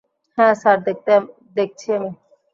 হ্যাঁ, স্যার, দেখছি আমি।